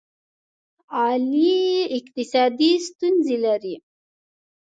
علي اقتصادي ستونزې لري.